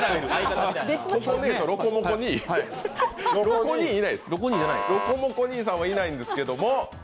ロコモコ兄さんはいないんですけれども。